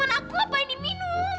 minuman aku apa yang diminum